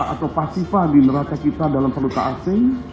atau pasifa di neraca kita dalam peluta asing